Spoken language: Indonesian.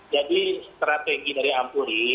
jadi strategi dari ampuri